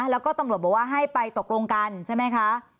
แล้วก็ตำรวจบอกว่าให้ไปตกลงกันใช่ไหมคะ